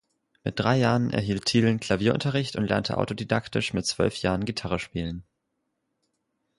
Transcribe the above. Mit drei Jahren erhielt Thielen Klavierunterricht und lernte autodidaktisch mit zwölf Jahren Gitarre spielen.